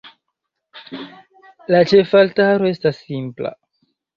La ĉefaltaro estas simpla.